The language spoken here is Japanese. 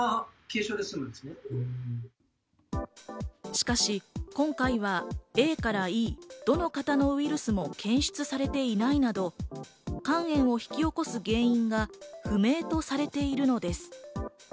しかし今回はＡからＥ、どの型のウイルスも検出されていないなど、肝炎を引き起こす原因が不明とされているのです。